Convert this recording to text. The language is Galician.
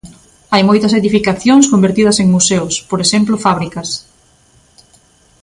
Hai moitas edificacións convertidas en museos, por exemplo fábricas.